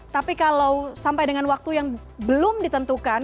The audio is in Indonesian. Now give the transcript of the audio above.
tapi kalau sampai dengan waktu yang belum ditentukan